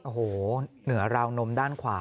โอ้โหเหนือราวนมด้านขวา